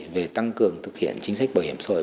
về tăng cường thực hiện chính sách bảo hiểm xã hội